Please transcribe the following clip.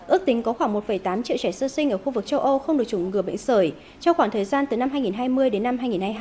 ước tính có khoảng một tám triệu trẻ sơ sinh ở khu vực châu âu không được chủng ngừa bệnh sởi trong khoảng thời gian từ năm hai nghìn hai mươi đến năm hai nghìn hai mươi hai